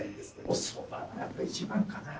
おそばがやっぱ一番かな。